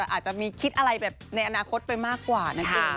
อาจจะมีคิดอะไรแบบในอนาคตไปมากกว่านั่นเอง